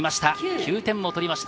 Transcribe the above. ９点を取りました。